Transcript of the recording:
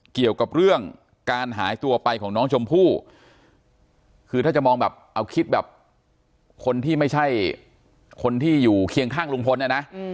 เกี่ยวกับเรื่องการหายตัวไปของน้องชมพู่คือถ้าจะมองแบบเอาคิดแบบคนที่ไม่ใช่คนที่อยู่เคียงข้างลุงพลเนี่ยนะ